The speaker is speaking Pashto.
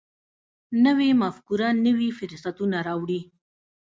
نوې مفکوره نوي فرصتونه راوړي